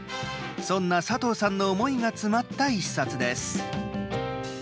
そんな佐藤さんの思いが詰まった１冊です。